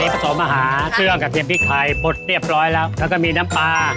ผสมอาหารเครื่องกระเทียมพริกไทยปดเรียบร้อยแล้วแล้วก็มีน้ำปลา